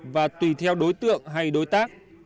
và tùy theo đối tượng hay đối tác